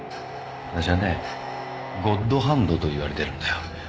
私はねゴッドハンドと言われてるんだよ。